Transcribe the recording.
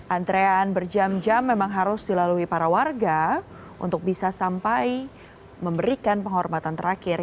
antrean berjam jam memang harus dilalui para warga untuk bisa sampai memberikan penghormatan terakhir